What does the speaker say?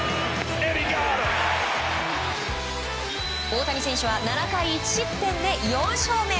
大谷選手は７回１失点で４勝目。